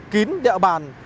kín địa bàn